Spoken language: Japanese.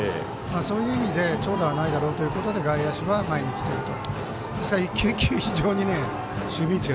そういう意味で長打はないだろうということで外野手は前に来てると。